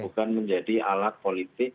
bukan menjadi alat politik